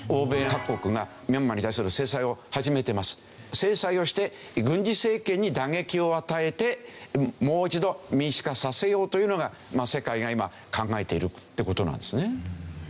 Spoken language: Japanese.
制裁をして軍事政権に打撃を与えてもう一度民主化させようというのが世界が今考えているって事なんですね。